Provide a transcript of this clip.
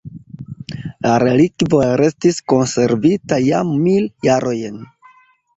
La relikvo restis konservita jam mil jarojn.